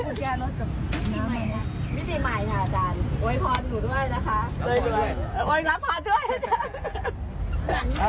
ค่ะไม่เป็นไรเปลี่ยนไม่เป็นไรค่ะ